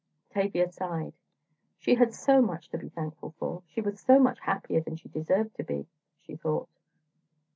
Tavia sighed. She had so much to be thankful for, she was so much happier than she deserved to be, she thought.